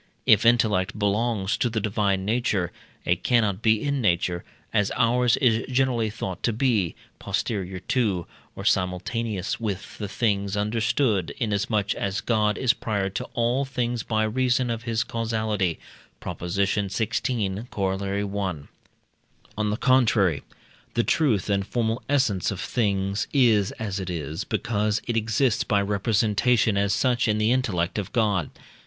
If intellect belongs to the divine nature, it cannot be in nature, as ours is generally thought to be, posterior to, or simultaneous with the things understood, inasmuch as God is prior to all things by reason of his causality (Prop. xvi., Coroll. i.). On the contrary, the truth and formal essence of things is as it is, because it exists by representation as such in the intellect of God.